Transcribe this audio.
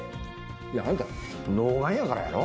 いやあんた老眼やからやろ。